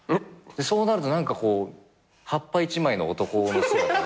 そうなると何かこう葉っぱ一枚の男の姿が。